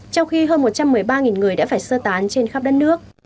trong khi hơn một trăm một mươi ba người đã phải sơ tán trên khắp đất nước